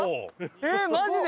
えっマジで！？